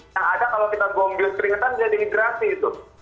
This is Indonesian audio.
yang ada kalau kita ngombil keringetan dia dehidrasi itu